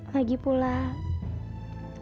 lagi pula laki laki yang aku cintai udah nggak mau